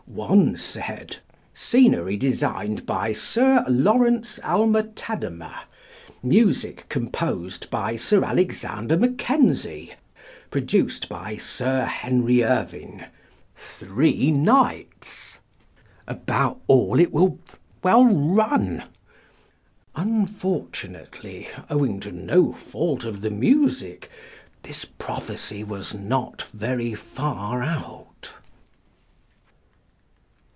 One said: "Scenery designed by Sir Laurence Alma Tadema; music composed by Sir Alexander Mackenzie; produced by Sir Henry Irving three knights. About all it will well run." Unfortunately, owing to no fault of the music, this prophecy was not very far out.